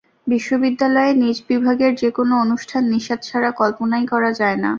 বিশ্ববিদ্যালয়ে নিজ বিভাগের যেকোনো অনুষ্ঠান নিশাত ছাড়া কল্পনাই করা যায় না।